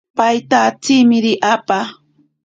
Paita antsimiri apa.